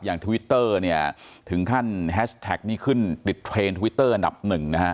ทวิตเตอร์เนี่ยถึงขั้นแฮชแท็กนี่ขึ้นติดเทรนดทวิตเตอร์อันดับหนึ่งนะฮะ